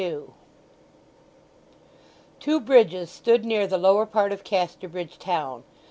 Two bridges stood near the lower part of Casterbridge town.